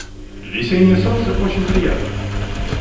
Весеннее солнце очень приятно.